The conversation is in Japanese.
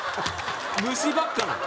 虫ばっかなの？